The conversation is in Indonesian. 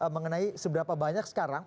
mengenai seberapa banyak sekarang